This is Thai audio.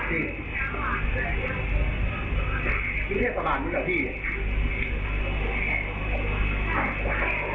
พี่แม็กซ์สะบานด้วยเหรอพี่